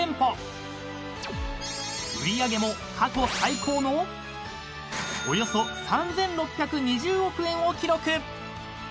［売り上げも過去最高のおよそ３，６２０億円を記録］